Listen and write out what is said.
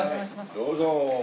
どうぞ。